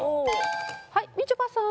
はいみちょぱさん。